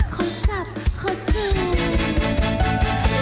เขาจับเขาคิด